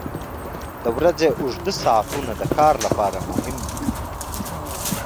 • د ورځې اوږده ساعتونه د کار لپاره مهم دي.